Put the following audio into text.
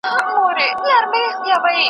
موږ به یې په سر او مال ساتو.